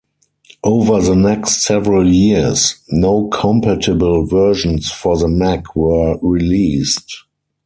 Over the next several years, no compatible versions for the Mac were released.